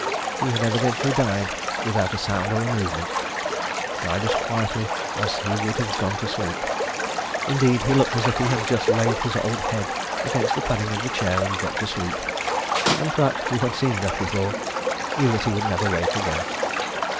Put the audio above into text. He had evidently died without a sound or a movement died as quietly as he would have gone to sleep. Indeed, he looked as if he had just laid his old head against the padding of the chair and dropped asleep, and Pratt, who had seen death before, knew that he would never wake again.